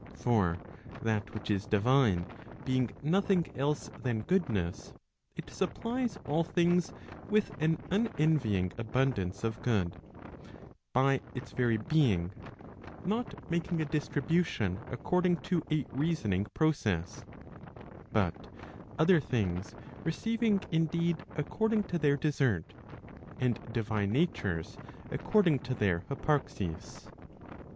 For that which is divine being nothing else than goodness, it supplies all things with an unenvying abundance of good, by its very being, not making a distribution according to a reasoning process; but other things receiving indeed according to their desert, and divine natures according to their hyparxis.